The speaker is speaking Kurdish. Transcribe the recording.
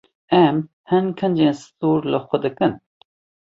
Em hin kincên stûr li xwe dikin.